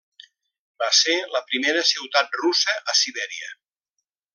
Va ser la primera ciutat russa a Sibèria.